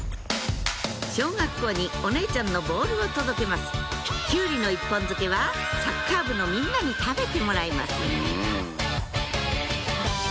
小学校にお姉ちゃんのボールを届けますキュウリの１本漬けはサッカー部のみんなに食べてもらいます